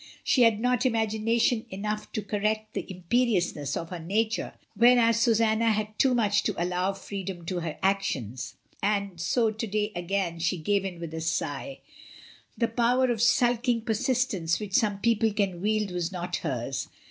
She had not imagination enough to correct the imperiousness of her nature, whereas Susanna had too much to allow freedom to her actions, and so to day again she gave in with a sigh; the power of sulking persist ence which some people can wield was not hers.